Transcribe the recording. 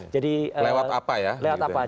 jadi lewat apa ya